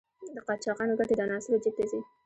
د قاچاقو ګټې د عناصرو جېب ته ځي.